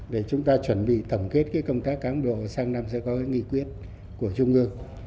để chúng ta chuẩn bị tổng kết công tác cán bộ sang năm sẽ có cái nghị quyết của trung ương